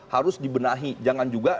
harus dibenahi jangan juga